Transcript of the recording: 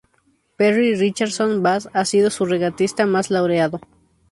Perry Richardson Bass ha sido su regatista más laureado.